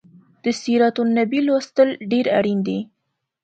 د سیرت النبي لوستل ډیر اړین دي